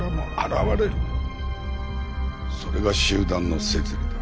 それが集団の摂理だ。